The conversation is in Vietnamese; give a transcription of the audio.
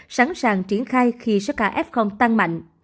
sẵn sàng triển khai khi sức khả f tăng mạnh